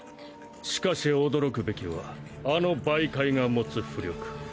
しかし驚くべきはあの媒介が持つ巫力。